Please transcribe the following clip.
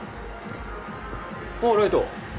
おうライト。